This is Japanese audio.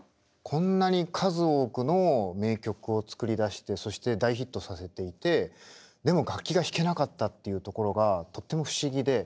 こんなに数多くの名曲を作り出してそして大ヒットさせていてでも楽器が弾けなかったっていうところがとっても不思議で。